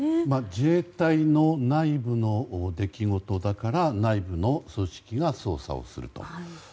自衛隊の内部の出来事だから内部の組織が捜査をすると。